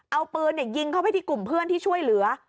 เอาปืนยิงเข้าไปที่กลุ่มเพื่อนที่ช่วยเหลือ